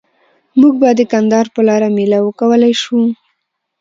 موږ به د کندهار په لاره میله وکولای شو؟